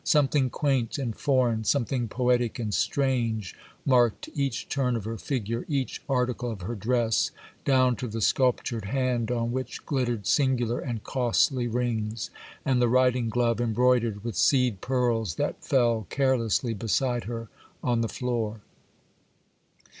Something quaint and foreign, something poetic and strange, marked each turn of her figure, each article of her dress, down to the sculptured hand on which glittered singular and costly rings,—and the riding glove, embroidered with seed pearls, that fell carelessly beside her on the floor.